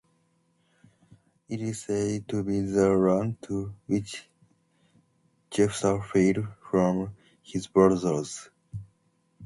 It is said to be the land to which Jephtha fled from his brothers.